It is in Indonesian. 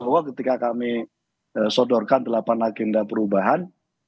bahwa ketika kami sodorkan delapan agenda perubahan